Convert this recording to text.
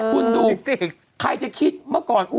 คุณดูสิใครจะคิดเมื่อก่อน